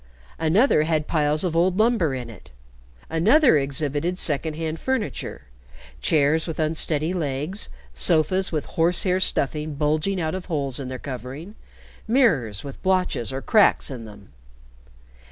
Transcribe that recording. Another had piles of old lumber in it, another exhibited second hand furniture, chairs with unsteady legs, sofas with horsehair stuffing bulging out of holes in their covering, mirrors with blotches or cracks in them.